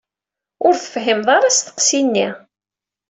Ur tefhimeḍ ara asteqsi-nni.